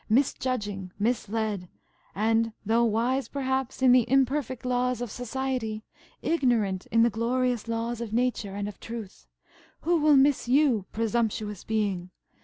Misjudging, misled, and–though wise, perhaps, in the imperfect laws of society–ignorant in the glorious laws of Nature and of Truth–who will miss you, presumptuous being?